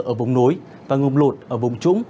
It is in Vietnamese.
ở vùng núi và ngụm lụt ở vùng trúng